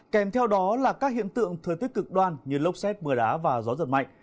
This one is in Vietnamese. kèm theo đó là các hiện tượng thời tiết cực đoan như lốc xét mưa đá và gió giật mạnh